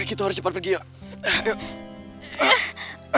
kita harus cepat pergi yuk